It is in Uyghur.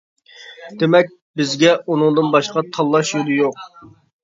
دېمەك بىزگە ئۇنىڭدىن باشقا تاللاش يولى يوق.